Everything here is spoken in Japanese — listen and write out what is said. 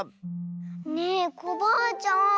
ねえコバアちゃん